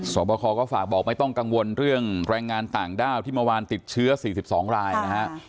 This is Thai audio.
บคก็ฝากบอกไม่ต้องกังวลเรื่องแรงงานต่างด้าวที่เมื่อวานติดเชื้อ๔๒รายนะฮะ